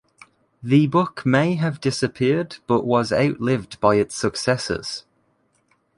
The book may have disappeared but was outlived by its successors.